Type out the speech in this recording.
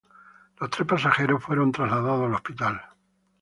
Los tres pasajeros fueron trasladados al hospital.